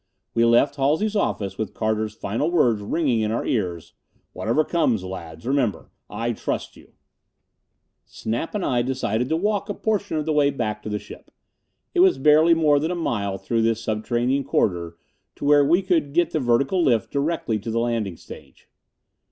We left Halsey's office with Carter's final words ringing in our ears. "Whatever comes, lads, remember I trust you...." Snap and I decided to walk a portion of the way back to the ship. It was barely more than a mile through this subterranean corridor to where we could get the vertical lift direct to the landing stage.